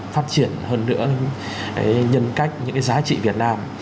phát triển hơn nữa nhân cách những cái giá trị việt nam